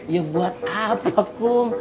ya buat apa kum